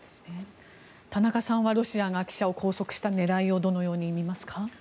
田中さんはロシアが記者を拘束した狙いをどのように見ますか？